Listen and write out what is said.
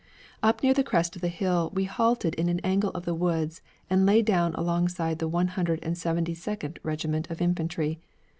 Up near the crest of the hill we halted in an angle of the woods and lay down alongside the One Hundred and Seventy Second Regiment of infantry.